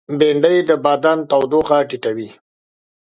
بېنډۍ د بدن تودوخه ټیټوي